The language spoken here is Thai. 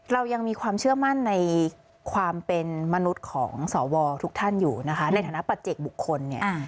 เรายังมีความเชื่อมั่นในความเป็นมนุษย์ของสวทุกท่านอยู่นะคะในฐานะปัจเจกบุคคลเนี่ย